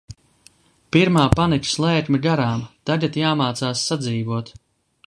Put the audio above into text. Pirmā panikas lēkme garām. Tagad jāmācās sadzīvot.